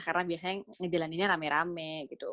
karena biasanya ngejalaninnya rame rame gitu